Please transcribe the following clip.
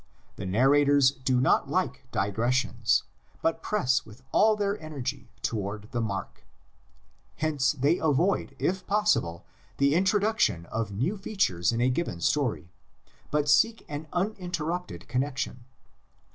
The narrators do not like digres sions, but press with all their energy toward the mark. Hence they avoid, if possible, the introduc tion of new features in a given story, but seek an uninterrupted connexion.